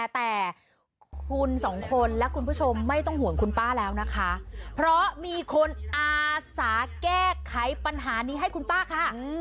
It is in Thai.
แต่คุณสองคนและคุณผู้ชมไม่ต้องห่วงคุณป้าแล้วนะคะเพราะมีคนอาสาแก้ไขปัญหานี้ให้คุณป้าค่ะ